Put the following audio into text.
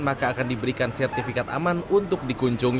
maka akan diberikan sertifikat aman untuk dikunjungi